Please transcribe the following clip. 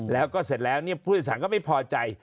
แล้วก็เสร็จแล้วผู้โดยสารก็ไม่พอใจ